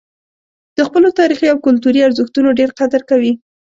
د خپلو تاریخي او کلتوري ارزښتونو ډېر قدر کوي.